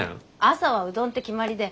朝はうどんって決まりで。